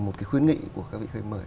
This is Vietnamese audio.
một cái khuyến nghị của các vị khách mời